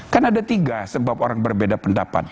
kan ada tiga sebab orang berbeda pendapat